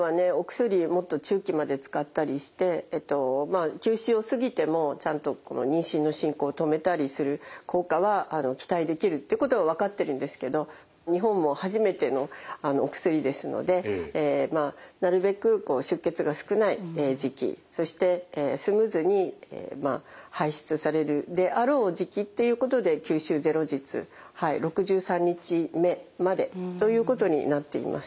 もっと中期まで使ったりして９週を過ぎてもちゃんと妊娠の進行を止めたりする効果は期待できるってことは分かってるんですけど日本も初めてのお薬ですのでなるべく出血が少ない時期そしてスムーズに排出されるであろう時期っていうことで９週０日６３日目までということになっています。